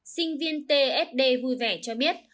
sinh viên tsd vui vẻ cho biết